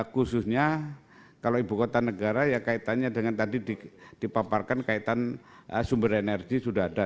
khususnya kalau ibu kota negara ya kaitannya dengan tadi dipaparkan kaitan sumber energi sudah ada